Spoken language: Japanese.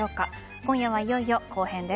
今夜は、いよいよ後編です。